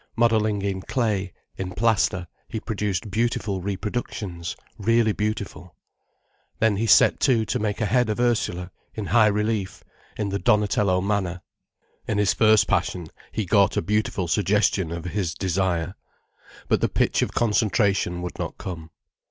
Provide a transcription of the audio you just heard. Modelling in clay, in plaster, he produced beautiful reproductions, really beautiful. Then he set to to make a head of Ursula, in high relief, in the Donatello manner. In his first passion, he got a beautiful suggestion of his desire. But the pitch of concentration would not come.